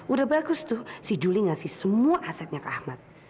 udah bagus tuh si juli ngasih semua asetnya ke ahmad